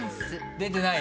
出てないか？